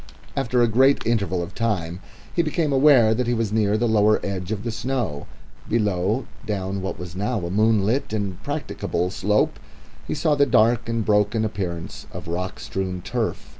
After a great interval of time he became aware that he was near the lower edge of the snow. Below, down what was now a moonlit and practicable slope, he saw the dark and broken appearance of rock strewn turf.